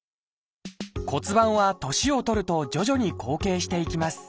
骨盤は年を取ると徐々に後傾していきます。